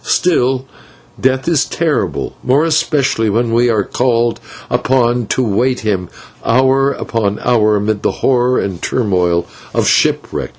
Still, Death is terrible, more especially when we are called upon to await him hour after hour amid the horror and turmoil of a shipwreck.